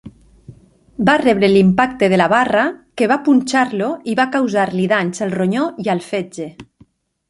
Va rebre l'impacte de la barra, que va punxar-lo i va causar-li danys al ronyó i al fetge.